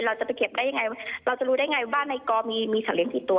เราจะไปเก็บได้ยังไงเราจะรู้ได้ยังไงว่าบ้านในกรมมีสารเลี้ยงกี่ตัว